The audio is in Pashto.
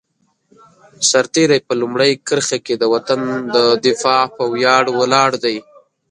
سرتېری په لومړۍ کرښه کې د وطن د دفاع په ویاړ ولاړ دی.